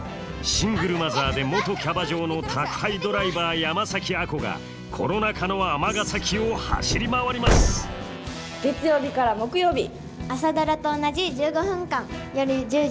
シングルマザーで元キャバ嬢の宅配ドライバー山崎亜子がコロナ禍の尼崎を走り回ります「朝ドラ」と同じ１５分間。